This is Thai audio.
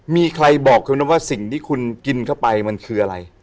มีใครบอกคุณไหมว่าสิ่งที่คุณกินเข้าไปมันคืออะไร